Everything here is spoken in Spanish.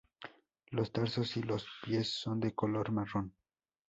Los tarsos y los pies son de color marrón.